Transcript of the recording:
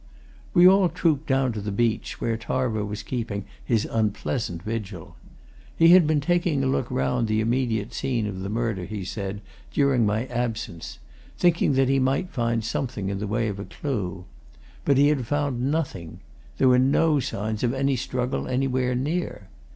We all trooped down to the beach, where Tarver was keeping his unpleasant vigil. He had been taking a look round the immediate scene of the murder, he said, during my absence, thinking that he might find something in the way of a clue. But he had found nothing: there were no signs of any struggle anywhere near.